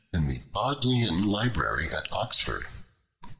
in the Bodleian Library at Oxford.